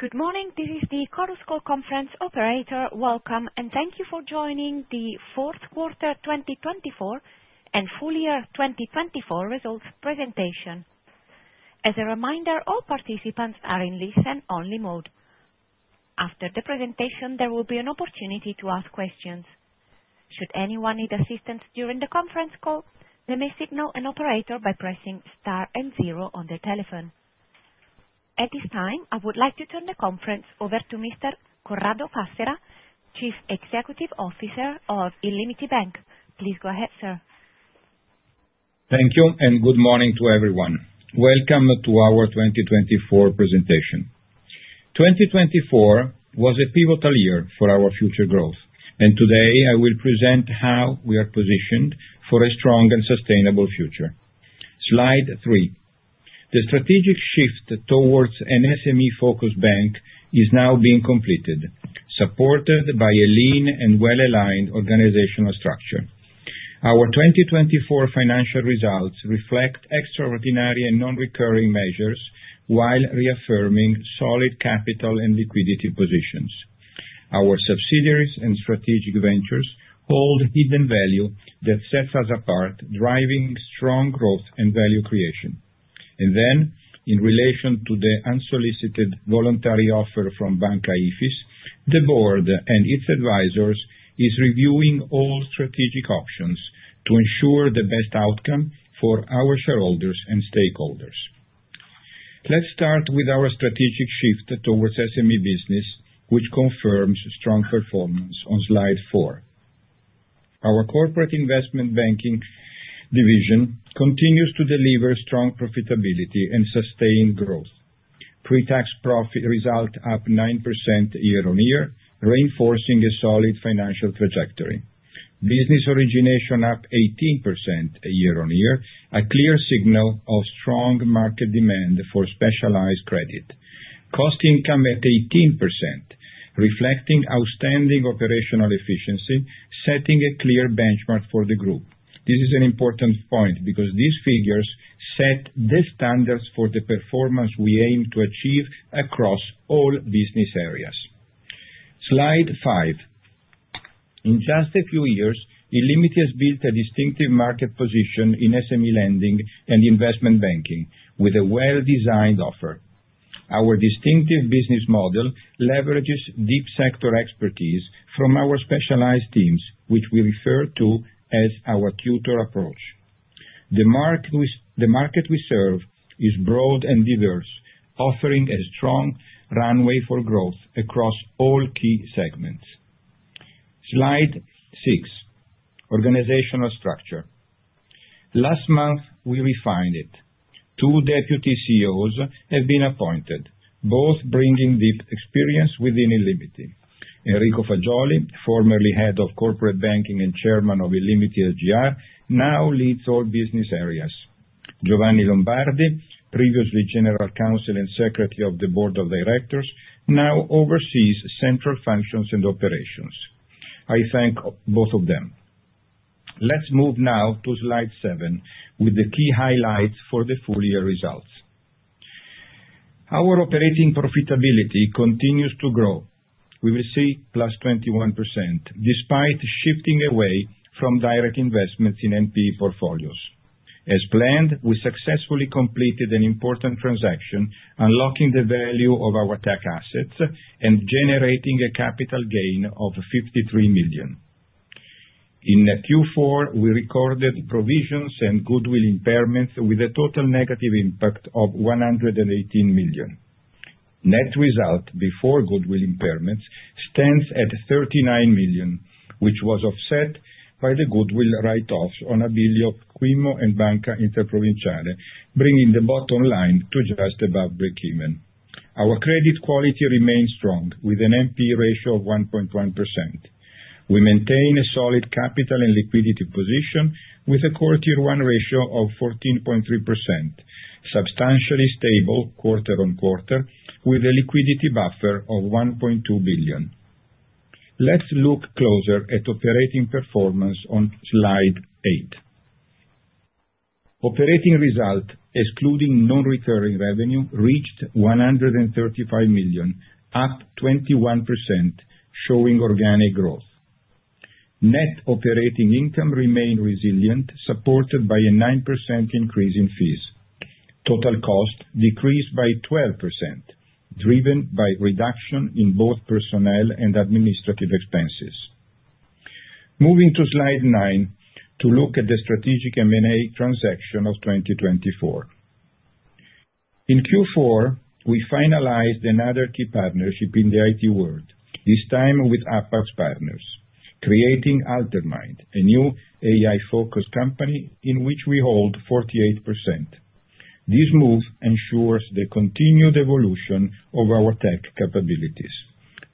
Good morning, this is the Chorus Call Conference Operator. Welcome, and thank you for joining the fourth quarter 2024 and full year 2024 results presentation. As a reminder, all participants are in listen-only mode. After the presentation, there will be an opportunity to ask questions. Should anyone need assistance during the conference call, they may signal an operator by pressing star and zero on their telephone. At this time, I would like to turn the conference over to Mr. Corrado Passera, Chief Executive Officer of illimity Bank. Please go ahead, sir. Thank you, and good morning to everyone. Welcome to our 2024 presentation. 2024 was a pivotal year for our future growth, and today I will present how we are positioned for a strong and sustainable future. Slide three. The strategic shift towards an SME-focused bank is now being completed, supported by a lean and well-aligned organizational structure. Our 2024 financial results reflect extraordinary and non-recurring measures while reaffirming solid capital and liquidity positions. Our subsidiaries and strategic ventures hold hidden value that sets us apart, driving strong growth and value creation. And then, in relation to the unsolicited voluntary offer from Banca Ifis, the board and its advisors are reviewing all strategic options to ensure the best outcome for our shareholders and stakeholders. Let's start with our strategic shift towards SME business, which confirms strong performance on slide four. Our corporate investment banking division continues to deliver strong profitability and sustained growth. Pre-tax profit result up 9% year-on-year, reinforcing a solid financial trajectory. Business origination up 18% year-on-year, a clear signal of strong market demand for specialized credit. Cost income at 18%, reflecting outstanding operational efficiency, setting a clear benchmark for the group. This is an important point because these figures set the standards for the performance we aim to achieve across all business areas. Slide five. In just a few years, illimity has built a distinctive market position in SME lending and investment banking with a well-designed offer. Our distinctive business model leverages deep sector expertise from our specialized teams, which we refer to as our tutor approach. The market we serve is broad and diverse, offering a strong runway for growth across all key segments. Slide six. Organizational structure. Last month, we refined it. Two deputy CEOs have been appointed, both bringing deep experience within illimity. Enrico Fagioli, formerly Head of Corporate Banking and Chairman of illimity SGR, now leads all business areas. Giovanni Lombardi, previously General Counsel and Secretary of the Board of Directors, now oversees central functions and operations. I thank both of them. Let's move now to slide seven with the key highlights for the full year results. Our operating profitability continues to grow. We will see +21% despite shifting away from direct investments in NPE portfolios. As planned, we successfully completed an important transaction, unlocking the value of our tech assets and generating a capital gain of 53 million. In Q4, we recorded provisions and goodwill impairments with a total negative impact of 118 million. Net result before goodwill impairments stands at 39 million, which was offset by the goodwill write-offs on Abilio Quimmo and Banca Interprovinciale, bringing the bottom line to just above breakeven. Our credit quality remains strong with an NPE ratio of 1.1%. We maintain a solid capital and liquidity position with a Core Tier 1 ratio of 14.3%, substantially stable quarter-on-quarter with a liquidity buffer of 1.2 billion. Let's look closer at operating performance on slide eight. Operating result, excluding non-recurring revenue, reached 135 million, up 21%, showing organic growth. Net operating income remained resilient, supported by a 9% increase in fees. Total cost decreased by 12%, driven by reduction in both personnel and administrative expenses. Moving to slide nine to look at the strategic M&A transaction of 2024. In Q4, we finalized another key partnership in the IT world, this time with Apax Partners, creating altermAInd, a new AI-focused company in which we hold 48%. This move ensures the continued evolution of our tech capabilities.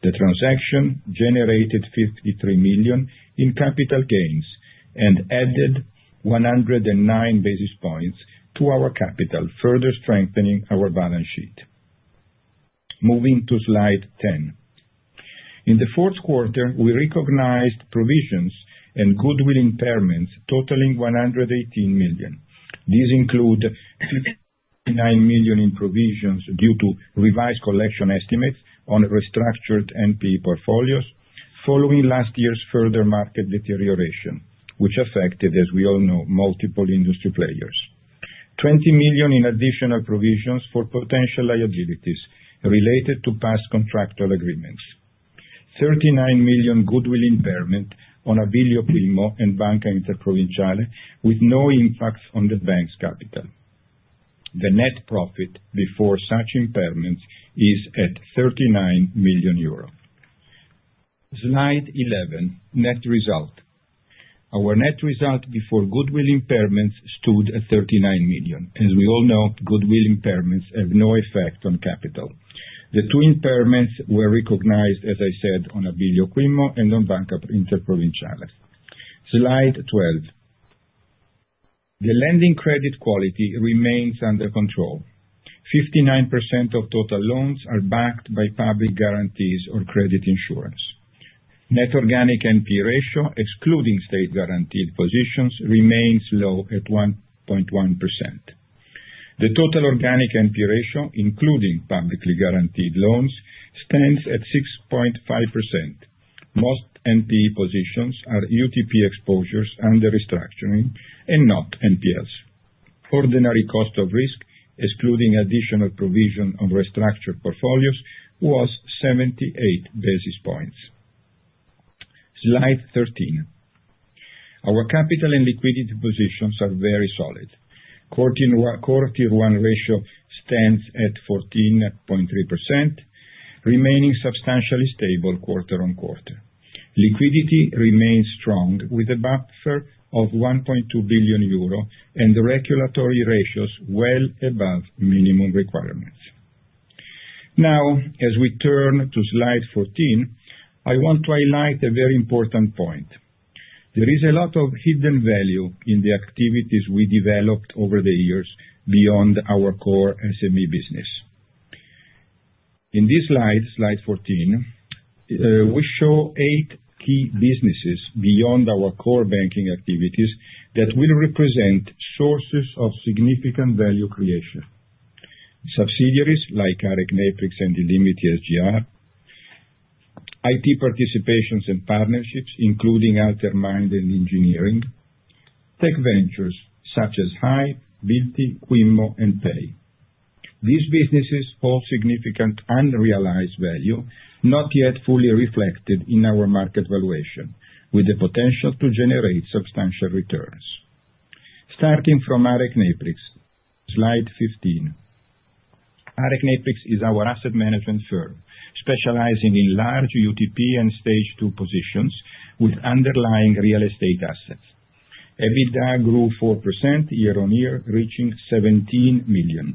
The transaction generated 53 million in capital gains and added 109 basis points to our capital, further strengthening our balance sheet. Moving to slide ten. In the fourth quarter, we recognized provisions and goodwill impairments totaling 118 million. These include 59 million in provisions due to revised collection estimates on restructured NPE portfolios following last year's further market deterioration, which affected, as we all know, multiple industry players. 20 million in additional provisions for potential liabilities related to past contractual agreements. 39 million goodwill impairment on Abilio Quimmo and Banca Interprovinciale, with no impact on the bank's capital. The net profit before such impairments is at 39 million euro. Slide 11, net result. Our net result before goodwill impairments stood at 39 million. As we all know, goodwill impairments have no effect on capital. The two impairments were recognized, as I said, on Abilio Quimmo and on Banca Interprovinciale. Slide 12. The lending credit quality remains under control. 59% of total loans are backed by public guarantees or credit insurance. Net organic NPE ratio, excluding state-guaranteed positions, remains low at 1.1%. The total organic NPE ratio, including publicly guaranteed loans, stands at 6.5%. Most NPE positions are UTP exposures under restructuring and not NPLs. Ordinary cost of risk, excluding additional provision of restructured portfolios, was 78 basis points. Slide 13. Our capital and liquidity positions are very solid. Core Tier 1 ratio stands at 14.3%, remaining substantially stable quarter-on-quarter. Liquidity remains strong with a buffer of 1.2 billion euro and regulatory ratios well above minimum requirements. Now, as we turn to slide 14, I want to highlight a very important point. There is a lot of hidden value in the activities we developed over the years beyond our core SME business. In this slide, slide 14, we show eight key businesses beyond our core banking activities that will represent sources of significant value creation. Subsidiaries like ARECneprix and illimity SGR, IT participations and partnerships, including altermAInd and Engineering, tech ventures such as HYPE, b-ilty, Quimmo, and Pehi. These businesses hold significant unrealized value, not yet fully reflected in our market valuation, with the potential to generate substantial returns. Starting from ARECneprix, slide 15. ARECneprix is our asset management firm specializing in large UTP and Stage 2 positions with underlying real estate assets. EBITDA grew 4% year-on-year, reaching 17 million.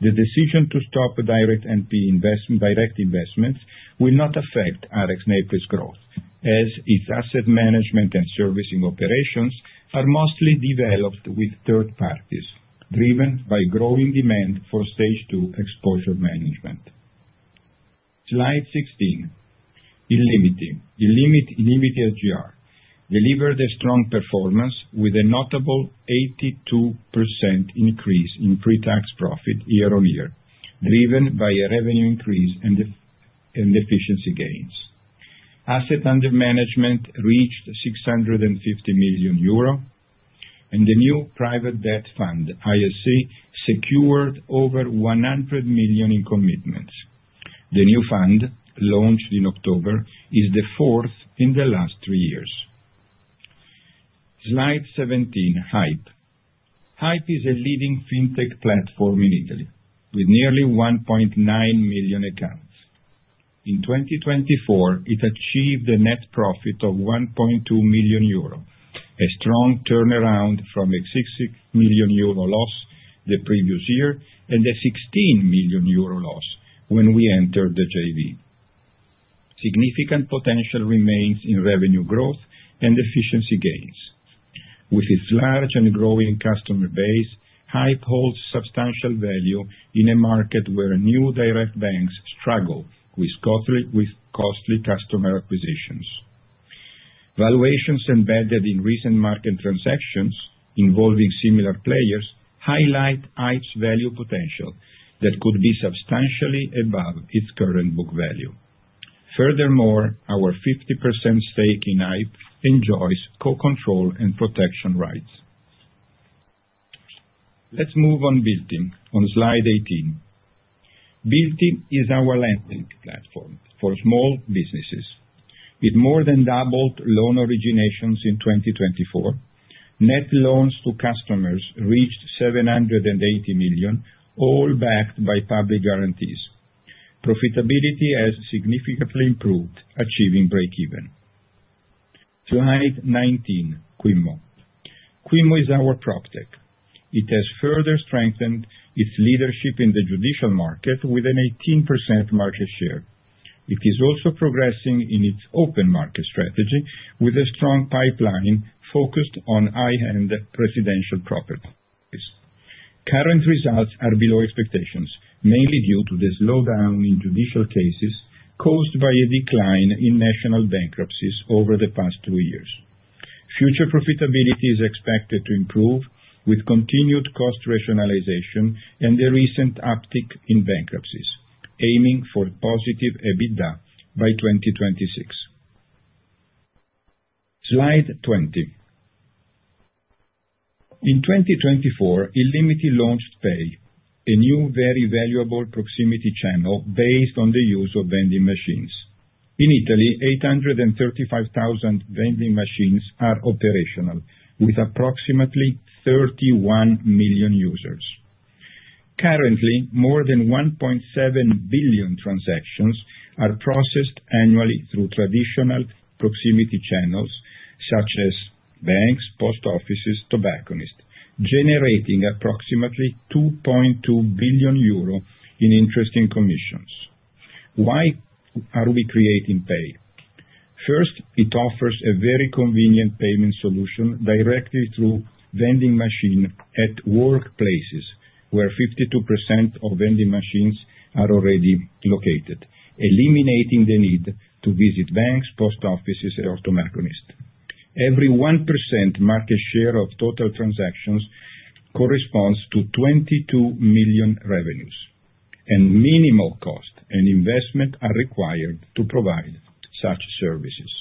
The decision to stop direct NPE investment will not affect ARECneprix's growth, as its asset management and servicing operations are mostly developed with third parties, driven by growing demand for Stage 2 exposure management. Slide 16. illimity. illimity SGR delivered a strong performance with a notable 82% increase in pre-tax profit year-on-year, driven by revenue increase and efficiency gains. Asset under management reached 650 million euro, and the new private debt fund, iSC, secured over 100 million in commitments. The new fund, launched in October, is the fourth in the last three years. Slide 17, HYPE. HYPE is a leading fintech platform in Italy with nearly 1.9 million accounts. In 2024, it achieved a net profit of 1.2 million euro, a strong turnaround from a 6 million euro loss the previous year and a 16 million euro loss when we entered the JV. Significant potential remains in revenue growth and efficiency gains. With its large and growing customer base, HYPE holds substantial value in a market where new direct banks struggle with costly customer acquisitions. Valuations embedded in recent market transactions involving similar players highlight HYPE's value potential that could be substantially above its current book value. Furthermore, our 50% stake in HYPE enjoys co-control and protection rights. Let's move on b-ilty on slide 18. b-ilty is our lending platform for small businesses. With more than doubled loan originations in 2024, net loans to customers reached 780 million, all backed by public guarantees. Profitability has significantly improved, achieving breakeven. Slide 19, Quimmo. Quimmo is our proptech. It has further strengthened its leadership in the judicial market with an 18% market share. It is also progressing in its open market strategy with a strong pipeline focused on high-end residential properties. Current results are below expectations, mainly due to the slowdown in judicial cases caused by a decline in national bankruptcies over the past two years. Future profitability is expected to improve with continued cost rationalization and a recent uptick in bankruptcies, aiming for positive EBITDA by 2026. Slide 20. In 2024, illimity launched Pehi, a new very valuable proximity channel based on the use of vending machines. In Italy, 835,000 vending machines are operational with approximately 31 million users. Currently, more than 1.7 billion transactions are processed annually through traditional proximity channels such as banks, post offices, tobacconists, generating approximately 2.2 billion euro in interesting commissions. Why are we creating Pehi? First, it offers a very convenient payment solution directly through vending machine at workplaces where 52% of vending machines are already located, eliminating the need to visit banks, post offices, or tobacconists. Every 1% market share of total transactions corresponds to 22 million revenues, and minimal cost and investment are required to provide such services.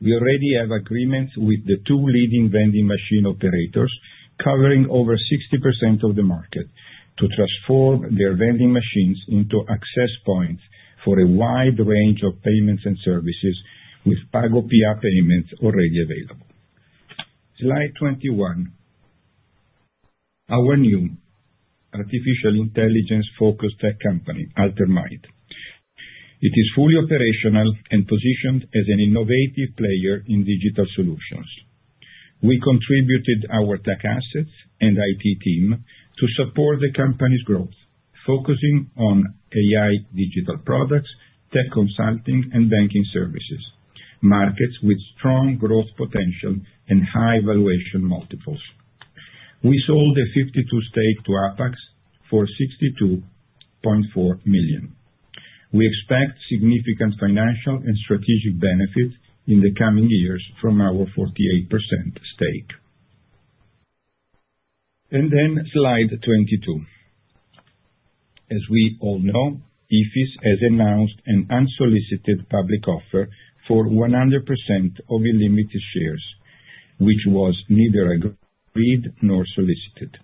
We already have agreements with the two leading vending machine operators, covering over 60% of the market, to transform their vending machines into access points for a wide range of payments and services with PagoPA payments already available. Slide 21. Our new artificial intelligence-focused tech company, altermAInd. It is fully operational and positioned as an innovative player in digital solutions. We contributed our tech assets and IT team to support the company's growth, focusing on AI digital products, tech consulting, and banking services, markets with strong growth potential and high valuation multiples. We sold a 52% stake to Apax for 62.4 million. We expect significant financial and strategic benefits in the coming years from our 48% stake. Then slide 22. As we all know, Ifis has announced an unsolicited public offer for 100% of illimity's shares, which was neither agreed nor solicited.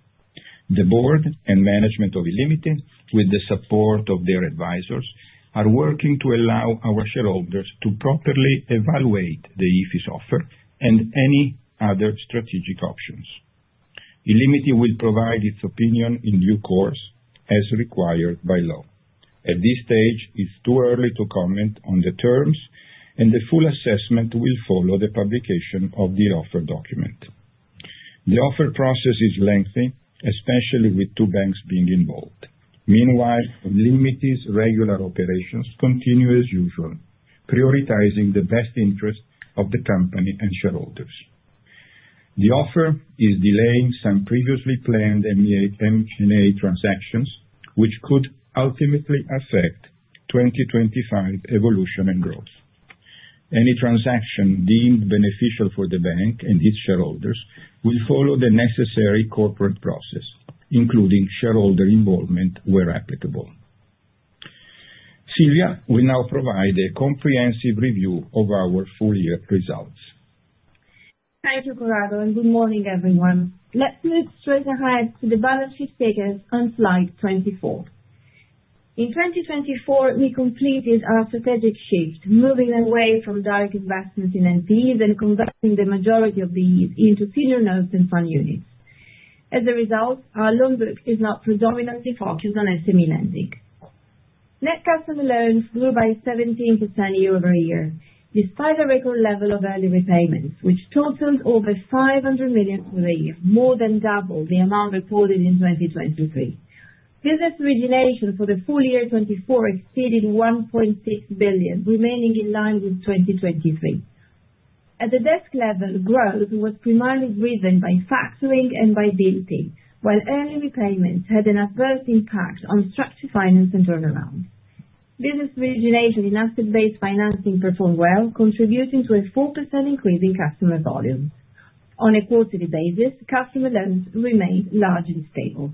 The board and management of illimity, with the support of their advisors, are working to allow our shareholders to properly evaluate the Ifis offer and any other strategic options. illimity will provide its opinion in due course, as required by law. At this stage, it's too early to comment on the terms, and the full assessment will follow the publication of the offer document. The offer process is lengthy, especially with two banks being involved. Meanwhile, illimity's regular operations continue as usual, prioritizing the best interests of the company and shareholders. The offer is delaying some previously planned M&A transactions, which could ultimately affect 2025 evolution and growth. Any transaction deemed beneficial for the bank and its shareholders will follow the necessary corporate process, including shareholder involvement where applicable. Silvia will now provide a comprehensive review of our full year results. Thank you, Corrado, and good morning, everyone. Let's move straight ahead to the balance sheet figures on slide 24. In 2024, we completed our strategic shift, moving away from direct investments in NPEs and converting the majority of these into senior notes and fund units. As a result, our loan book is now predominantly focused on SME lending. Net customer loans grew by 17% year-over-year, despite a record level of early repayments, which totaled over 500 million for the year, more than double the amount reported in 2023. Business origination for the full year 2024 exceeded 1.6 billion, remaining in line with 2023. At the desk level, growth was primarily driven by factoring and by b-ilty, while early repayments had an adverse impact on structured finance and turnaround. Business origination in asset-based financing performed well, contributing to a 4% increase in customer volume. On a quarterly basis, customer loans remained largely stable.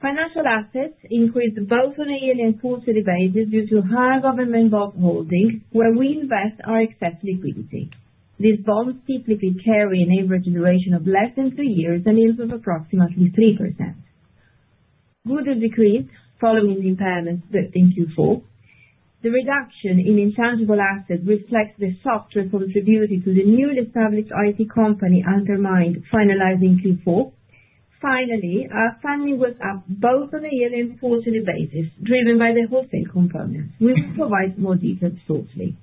Financial assets increased both on a yearly and quarterly basis due to higher government bond holdings, where we invest our excess liquidity. These bonds typically carry an average duration of less than two years and yields of approximately 3%. Goodwill decreased following the impairments that in Q4. The reduction in intangible assets reflects the software contributed to the newly established IT company, altermAInd, finalized in Q4. Finally, our funding was up both on a yearly and quarterly basis, driven by the wholesale components. We will provide more details shortly.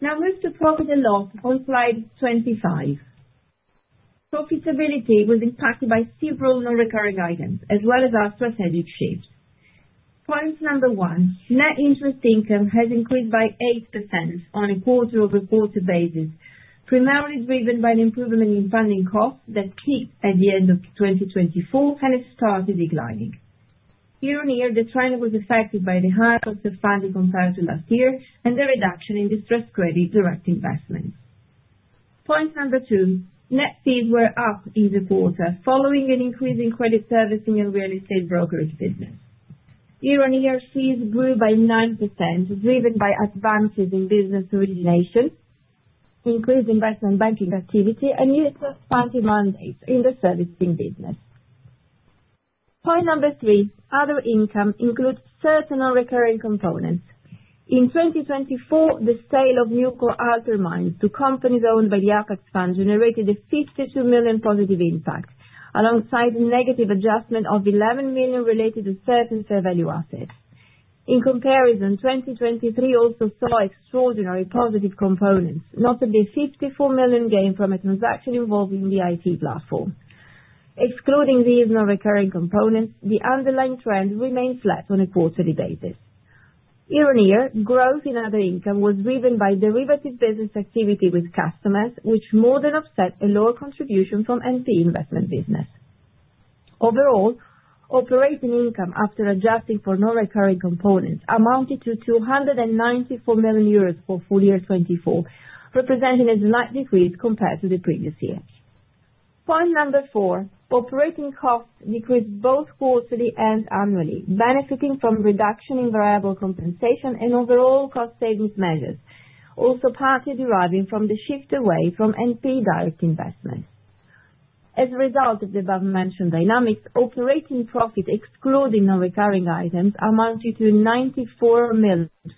Now, move to profit and loss on slide 25. Profitability was impacted by several non-recurring items, as well as our strategic shifts. Point number one, net interest income has increased by 8% on a quarter-over-quarter basis, primarily driven by an improvement in funding costs that peaked at the end of 2024 and has started declining. Year-on-year, the trend was affected by the high cost of funding compared to last year and the reduction in distressed credit direct investments. Point number two, net fees were up in the quarter following an increase in credit servicing and real estate brokerage business. Year-on-year, fees grew by 9%, driven by advances in business origination, increased investment banking activity, and new expansive mandates in the servicing business. Point number three, other income includes certain non-recurring components. In 2024, the sale of our altermAInd to companies owned by the Apax Fund generated a 52 million positive impact, alongside a negative adjustment of 11 million related to certain fair value assets. In comparison, 2023 also saw extraordinary positive components, notably a 54 million gain from a transaction involving the IT platform. Excluding these non-recurring components, the underlying trend remained flat on a quarterly basis. Year-on-year, growth in other income was driven by derivative business activity with customers, which more than offset a lower contribution from NPE investment business. Overall, operating income after adjusting for non-recurring components amounted to 294 million euros for full year 2024, representing a slight decrease compared to the previous year. Point number four, operating costs decreased both quarterly and annually, benefiting from reduction in variable compensation and overall cost savings measures, also partly deriving from the shift away from NPE direct investments. As a result of the above-mentioned dynamics, operating profit excluding non-recurring items amounted to 94 million in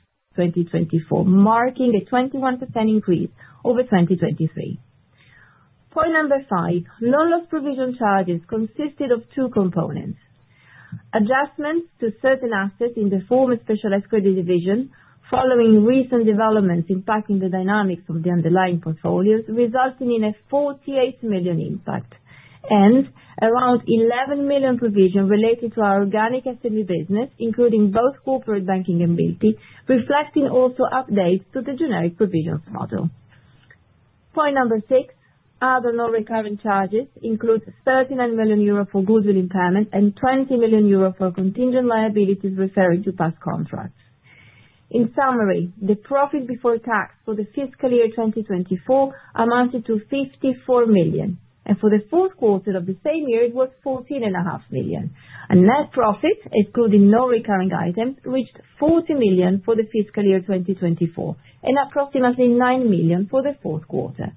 2024, marking a 21% increase over 2023. Point number five, net loss provision charges consisted of two components. Adjustments to certain assets in the former specialized credit division, following recent developments impacting the dynamics of the underlying portfolios, resulted in a 48 million impact and around 11 million provision related to our organic SME business, including both corporate banking and b-ilty, reflecting also updates to the generic provisions model. Point number six, other non-recurring charges include 39 million euro for goodwill impairment and 20 million euro for contingent liabilities referring to past contracts. In summary, the profit before tax for the fiscal year 2024 amounted to 54 million, and for the fourth quarter of the same year, it was 14.5 million. Net profit, excluding non-recurring items, reached 40 million for the fiscal year 2024 and approximately 9 million for the fourth quarter.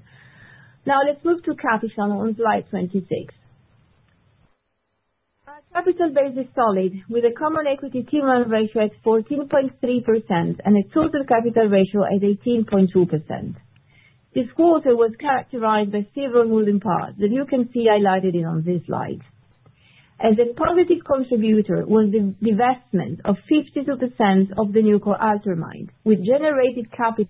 Now, let's move to capital on slide 26. Our capital base is solid, with a Common Equity Tier 1 ratio at 14.3% and a total capital ratio at 18.2%. This quarter was characterized by several moving parts that you can see highlighted on this slide. As a positive contributor was the divestment of 52% of altermAInd, which generated capital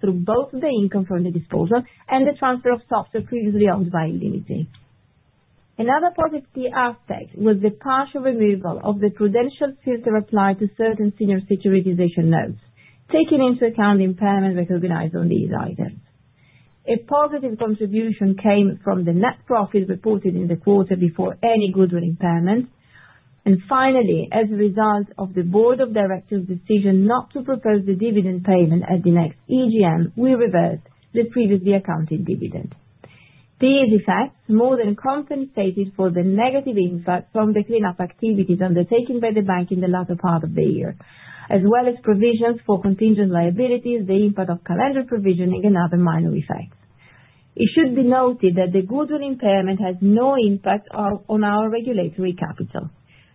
through both the income from the disposal and the transfer of stocks previously owned by illimity. Another positive aspect was the partial removal of the prudential filter applied to certain senior securitization notes, taking into account impairment recognized on these items. A positive contribution came from the net profit reported in the quarter before any goodwill impairment. Finally, as a result of the board of directors' decision not to propose the dividend payment at the next AGM, we reversed the previously accounted dividend. These effects more than compensated for the negative impact from the cleanup activities undertaken by the bank in the latter part of the year, as well as provisions for contingent liabilities, the impact of calendar provisioning, and other minor effects. It should be noted that the goodwill impairment has no impact on our regulatory capital.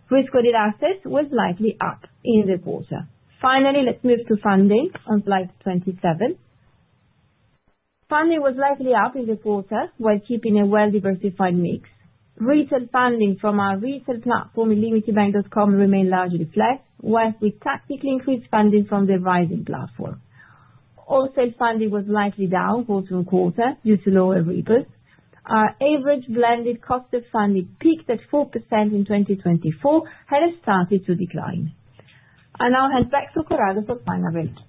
Risk-weighted assets were slightly up in the quarter. Finally, let's move to funding on slide 27. Funding was largely up in the quarter while keeping a well-diversified mix. Retail funding from our retail platform, illimitybank.com, remained largely flat, whereas we tactically increased funding from the Raisin platform. Wholesale funding was largely down, also in quarter, due to lower repo. Our average blended cost of funding peaked at 4% in 2024 and has started to decline, and I'll hand back to Corrado for final remarks.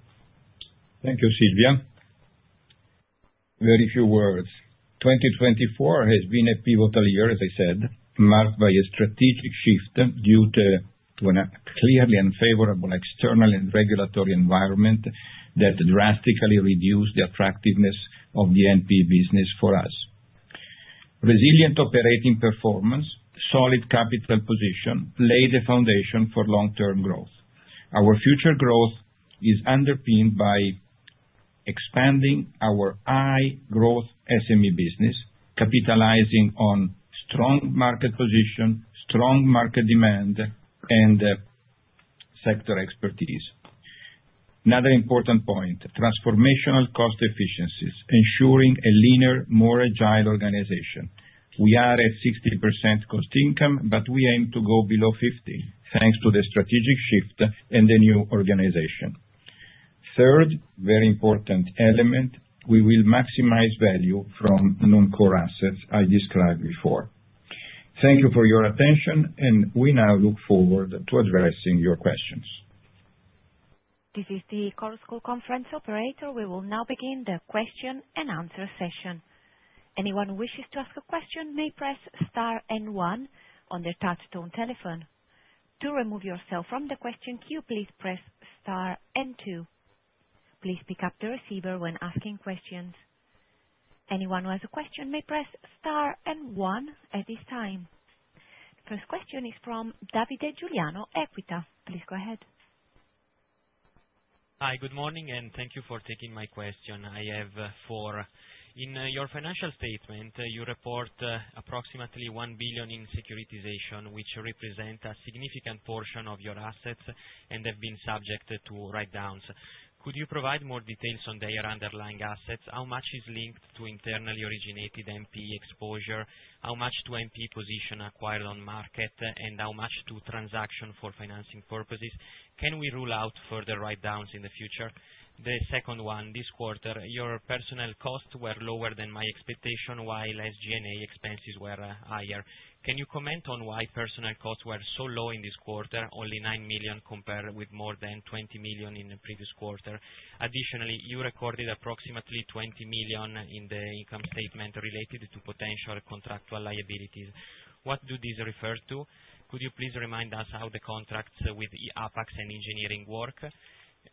Thank you, Silvia. Very few words. 2024 has been a pivotal year, as I said, marked by a strategic shift due to a clearly unfavorable external and regulatory environment that drastically reduced the attractiveness of the NPE business for us. Resilient operating performance, solid capital position laid the foundation for long-term growth. Our future growth is underpinned by expanding our high-growth SME business, capitalizing on strong market position, strong market demand, and sector expertise. Another important point: transformational cost efficiencies, ensuring a leaner, more agile organization. We are at 60% cost income, but we aim to go below 50%, thanks to the strategic shift and the new organization. Third, very important element: we will maximize value from non-core assets I described before. Thank you for your attention, and we now look forward to addressing your questions. This is the Chorus Call Conference Operator. We will now begin the question-and-answer session. Anyone wishing to ask a question may press star and one on their touch-tone telephone. To remove yourself from the question queue, please press star and two. Please pick up the receiver when asking questions. Anyone who has a question may press star and one at this time. The first question is from Davide Giuliano, Equita. Please go ahead. Hi, good morning, and thank you for taking my question. I have four. In your financial statement, you report approximately 1 billion in securitization, which represents a significant portion of your assets and have been subject to write-downs. Could you provide more details on their underlying assets? How much is linked to internally originated NPE exposure? How much to NPE position acquired on market, and how much to transaction for financing purposes? Can we rule out further write-downs in the future? The second one, this quarter, your personnel costs were lower than my expectation, while SG&A expenses were higher. Can you comment on why personnel costs were so low in this quarter, only 9 million compared with more than 20 million in the previous quarter? Additionally, you recorded approximately 20 million in the income statement related to potential contractual liabilities. What do these refer to? Could you please remind us how the contracts with Apax and Engineering work?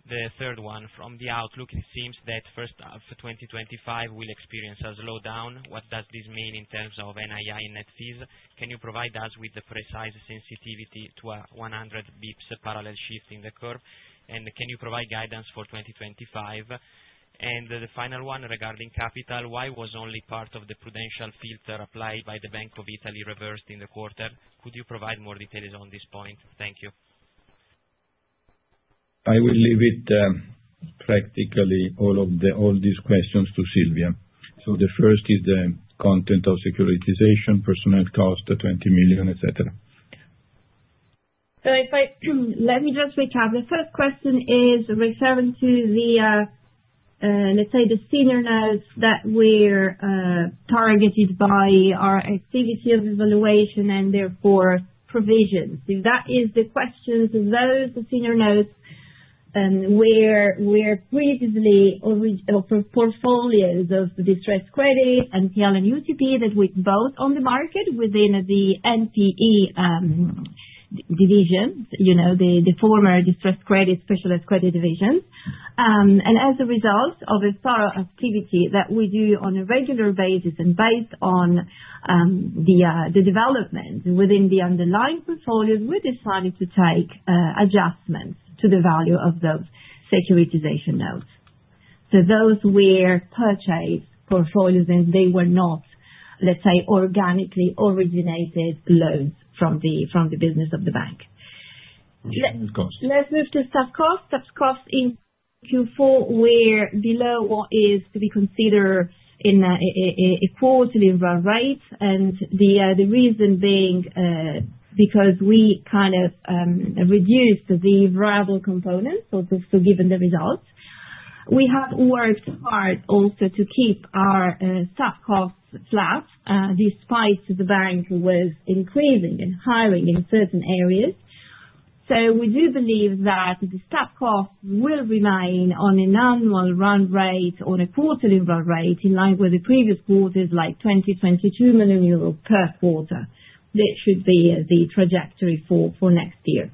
The third one, from the outlook, it seems that first half of 2025 will experience a slowdown. What does this mean in terms of NII and net fees? Can you provide us with the precise sensitivity to a 100 bps parallel shift in the curve? Can you provide guidance for 2025? And the final one, regarding capital, why was only part of the prudential filter applied by the Bank of Italy reversed in the quarter? Could you provide more details on this point? Thank you. I will leave it practically all of these questions to Silvia. So the first is the content of securitization, personnel cost, 20 million, etc. Let me just recap. The first question is referring to the, let's say, the senior notes that were targeted by our activity of evaluation and therefore provisions. If that is the question, those senior notes were previously portfolios of distressed credit, NPL, and UTP that were both on the market within the NPE division, the former distressed credit specialist credit division. As a result of the thorough activity that we do on a regular basis and based on the development within the underlying portfolios, we decided to take adjustments to the value of those securitization notes. Those were purchased portfolios, and they were not, let's say, organically originated loans from the business of the bank. Let's move to staff costs. Staff costs in Q4 were below what is to be considered in a quarterly rate, and the reason being because we kind of reduced the variable components, also given the results. We have worked hard also to keep our staff costs flat despite the bank was increasing and hiring in certain areas. We do believe that the staff costs will remain on an annual run rate or a quarterly run rate in line with the previous quarters, like 20 million-22 million euros per quarter. That should be the trajectory for next year.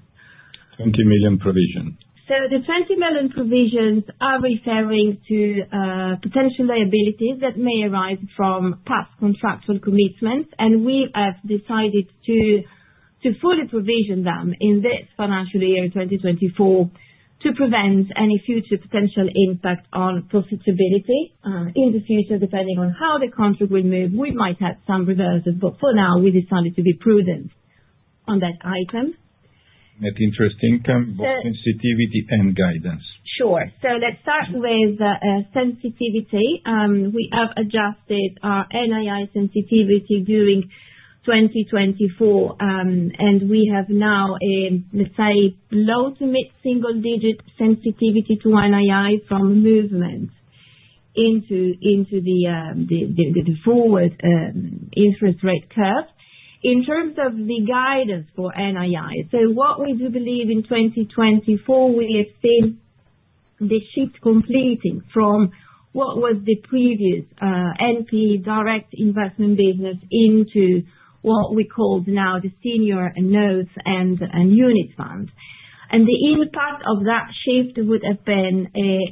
20 million provision. So the 20 million provisions are referring to potential liabilities that may arise from past contractual commitments, and we have decided to fully provision them in this financial year 2024 to prevent any future potential impact on profitability. In the future, depending on how the contract will move, we might have some reversals, but for now, we decided to be prudent on that item. Net interest income, both sensitivity and guidance. Sure. So let's start with sensitivity. We have adjusted our NII sensitivity during 2024, and we have now a, let's say, low- to mid-single-digit sensitivity to NII from movement into the forward interest rate curve. In terms of the guidance for NII, so what we do believe in 2024, we have seen the shift completing from what was the previous NPE direct investment business into what we call now the senior notes and unit fund. And the impact of that shift would have been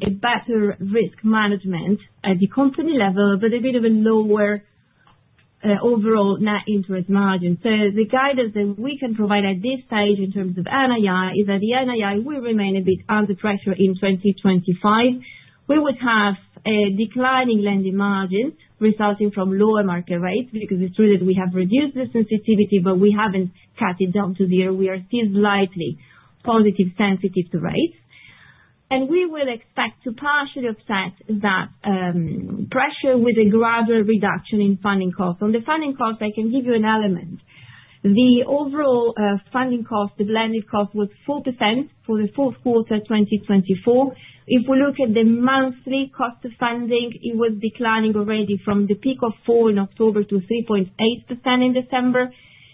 a better risk management at the company level, but a bit of a lower overall net interest margin. So the guidance that we can provide at this stage in terms of NII is that the NII will remain a bit under pressure in 2025. We would have declining lending margins resulting from lower market rates because it's true that we have reduced the sensitivity, but we haven't cut it down to zero. We are still slightly positive sensitive to rates. And we will expect to partially offset that pressure with a gradual reduction in funding costs. On the funding costs, I can give you an element. The overall funding cost, the blended cost, was 4% for the fourth quarter of 2024. If we look at the monthly cost of funding, it was declining already from the peak of 4% in October to 3.8% in December.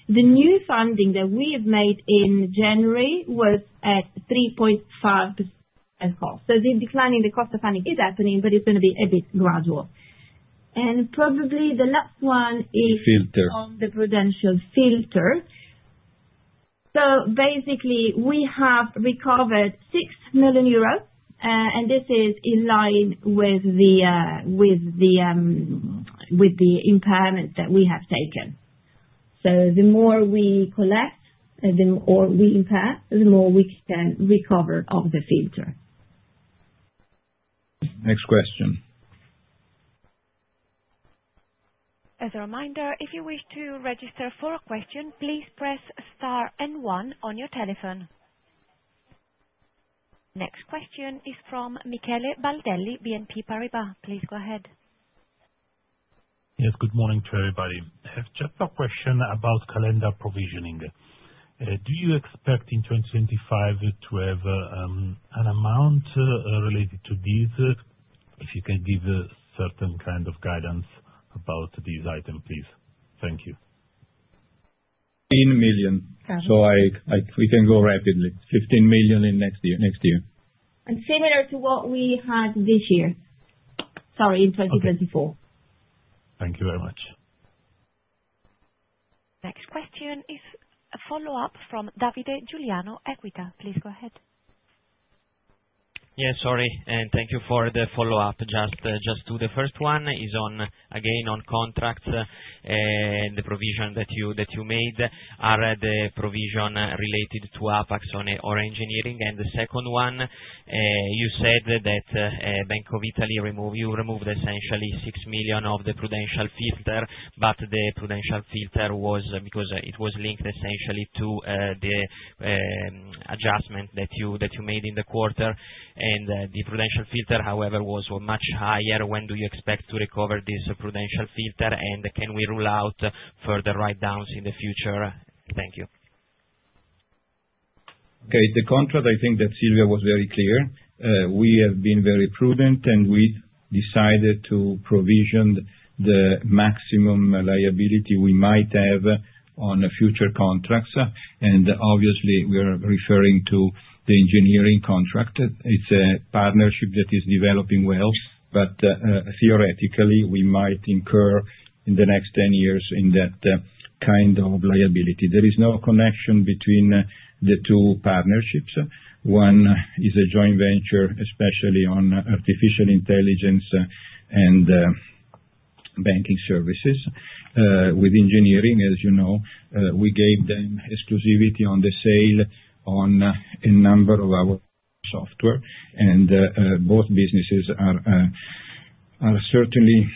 The new funding that we have made in January was at 3.5%. So the declining in the cost of funding is happening, but it's going to be a bit gradual. And probably the last one is on the prudential filter. So basically, we have recovered 6 million euros, and this is in line with the impairment that we have taken. So the more we collect or we impair, the more we can recover of the filter. Next question. As a reminder, if you wish to register for a question, please press star and one on your telephone. Next question is from Michele Baldelli, BNP Paribas. Please go ahead. Yes, good morning to everybody. I have just a question about calendar provisioning. Do you expect in 2025 to have an amount related to these? If you can give a certain kind of guidance about these items, please. Thank you. 15 million. So we can go rapidly. 15 million in next year. And similar to what we had this year. Sorry, in 2024. Thank you very much. Next question is a follow-up from Davide Giuliano, Equita. Please go ahead. Yes, sorry. And thank you for the follow-up. Just to the first one is on, again, on contracts and the provision that you made. Are the provision related to Apax or Engineering? The second one, you said that Bank of Italy removed essentially 6 million of the prudential filter, but the prudential filter was because it was linked essentially to the adjustment that you made in the quarter. And the prudential filter, however, was much higher. When do you expect to recover this prudential filter? And can we rule out further write-downs in the future? Thank you. Okay. The contract, I think that Silvia was very clear. We have been very prudent, and we decided to provision the maximum liability we might have on future contracts. And obviously, we are referring to the Engineering contract. It is a partnership that is developing well, but theoretically, we might incur in the next 10 years in that kind of liability. There is no connection between the two partnerships. One is a joint venture, especially on artificial intelligence and banking services. With Engineering, as you know, we gave them exclusivity on the sale on a number of our software. And both businesses are certainly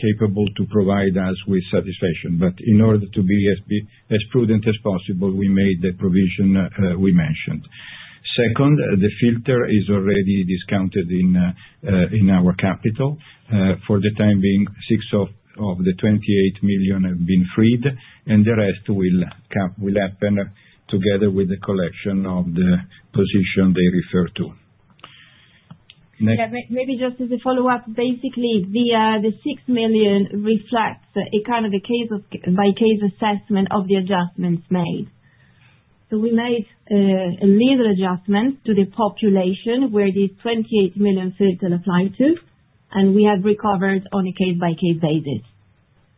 capable to provide us with satisfaction. But in order to be as prudent as possible, we made the provision we mentioned. Second, the filter is already discounted in our capital. For the time being, 6 million of the 28 million have been freed, and the rest will happen together with the collection of the position they refer to. Maybe just as a follow-up, basically, the 6 million reflects a kind of a case-by-case assessment of the adjustments made. So we made a little adjustment to the population where these 28 million filter applied to, and we have recovered on a case-by-case basis.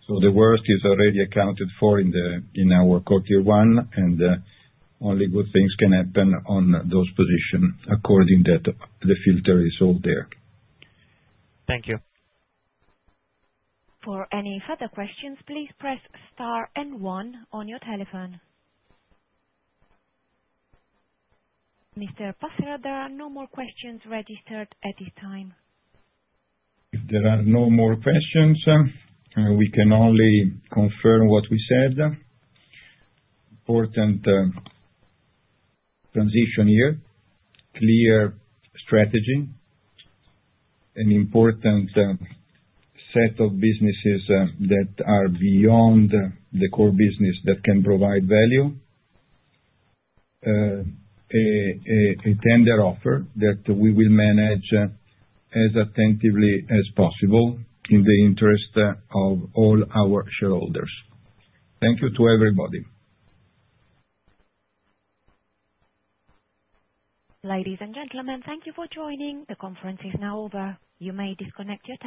So the worst is already accounted for in our quarter one, and only good things can happen on those positions according to that the filter is all there. Thank you. For any further questions, please press star and one on your telephone. Mr. Passera, there are no more questions registered at this time. If there are no more questions, we can only confirm what we said. Important transition here. Clear strategy. An important set of businesses that are beyond the core business that can provide value. A tender offer that we will manage as attentively as possible in the interest of all our shareholders. Thank you to everybody. Ladies and gentlemen, thank you for joining. The conference is now over. You may disconnect your.